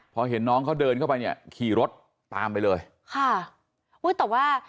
พอเห็นน้องเขาเดินเข้าไปเนี่ยขี่รถตามไปเลยค่ะอุ้ยแต่ว่า